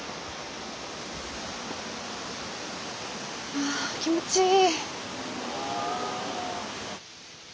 はあ気持ちいい。